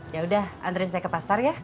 yaudah anterin saya ke pasar ya